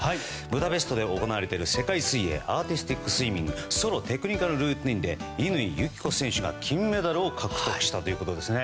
ブダペストで行われている世界水泳アーティスティックスイミングソロ・テクニカルルーティンで乾友紀子選手が金メダルを獲得したということです。